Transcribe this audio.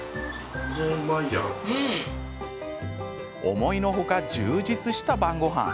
思いのほか充実した晩ごはん。